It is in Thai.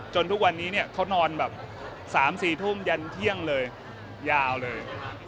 ทุกวันนี้เนี่ยเขานอนแบบ๓๔ทุ่มยันเที่ยงเลยยาวเลย